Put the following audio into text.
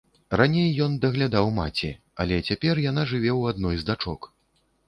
Раней ён даглядаў маці, але цяпер яна жыве ў адной з дачок.